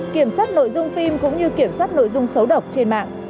kiểm soát nội dung phim cũng như kiểm soát nội dung xấu độc trên mạng